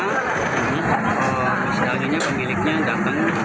setelah ini pemiliknya datang